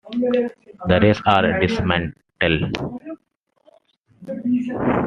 The rest are dismantled.